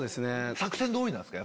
作戦通りなんですか？